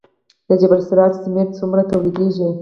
د جبل السراج سمنټ څومره تولیدیږي؟